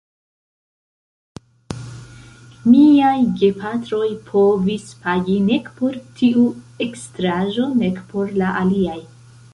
Miaj gepatroj povis pagi nek por tiu ekstraĵo, nek por la aliaj.